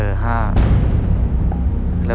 เลิกแล้วต่อกัน๖